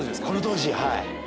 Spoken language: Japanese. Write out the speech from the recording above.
この当時はい。